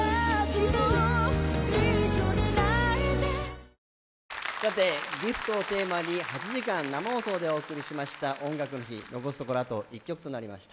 「ＧＩＦＴギフト」をテーマに８時間生放送でお送りした「音楽の日」、残すところあと１曲となりました。